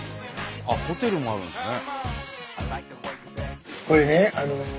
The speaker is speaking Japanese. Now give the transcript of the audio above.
ホテルもあるんですね。